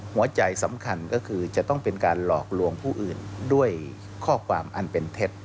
หัวใจสำคัญก็คือจะต้องเป็นการหลอกลวงผู้อื่นด้วยข้อความอันเป็นเท็จ